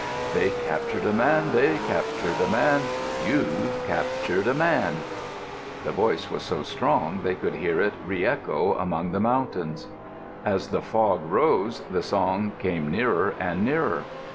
They captured a man; They captured a man; You've captured a man. The voice was so strong they could hear it reëcho among the mountains. As the fog rose, the song came nearer and nearer.